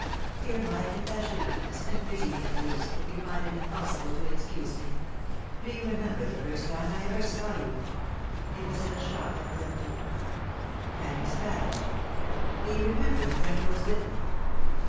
" Hear my confession, Agnes, and pity me at least, if you find it impossible to excuse me ..*. Do you remember the first time that I ever saw yon ?.... It was at a shop at Clifton." Agnes bowed. " Do you remember the friend who was with me